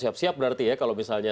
siap siap berarti ya kalau misalnya